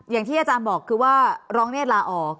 อย่างที่อาจารย์บอกคือว่ารองเนธลาออก